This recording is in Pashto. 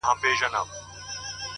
خپلوۍ سوې ختمي غريبۍ خبره ورانه سوله,